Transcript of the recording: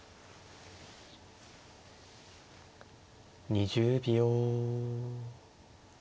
２０秒。